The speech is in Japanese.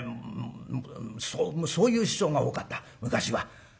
そういう師匠が多かった昔は。